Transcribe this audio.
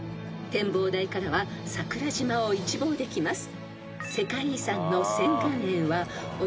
［展望台からは桜島を一望できます］